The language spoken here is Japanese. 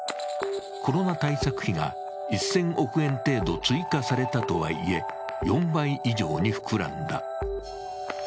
コロナ対策費が１０００億円程度追加されたとはいえ４倍以上に膨らんだ。